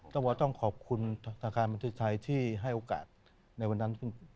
ต้องว่าต้องขอบคุณทางการบัญชีไทยที่ให้โอกาสในวันนั้น